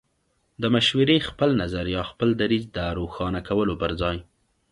د مشورې، خپل نظر يا خپل دريځ د روښانه کولو پر ځای